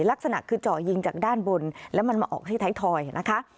ลักษณะคือเจาะยิงจากด้านบนแล้วมันมาออกที่ไทยทอยนะคะ